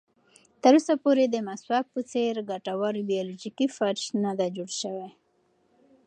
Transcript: تر اوسه پورې د مسواک په څېر ګټوره بیولوژیکي فرش نه ده جوړه شوې.